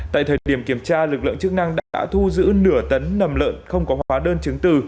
tại thời điểm kiểm tra lực lượng chức năng đã thu giữ nửa tấn nầm lợn không có hóa đơn chứng từ